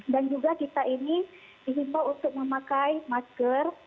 dan juga kita ini dihimpau untuk memakai masker